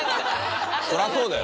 そりゃそうだよ。